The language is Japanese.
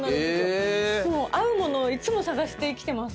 合う物をいつも探して生きてます